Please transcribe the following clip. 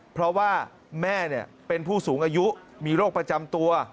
เพราะว่าแม่เป็นผู้สูงอายุมีโรคประจำตัว